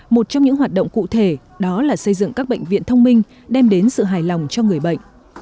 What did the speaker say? một trong những hoạt động cụ thể đó là xây dựng các bệnh viện thông minh đem đến sự hài lòng cho người bệnh